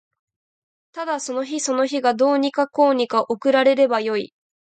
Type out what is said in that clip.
ただその日その日がどうにかこうにか送られればよい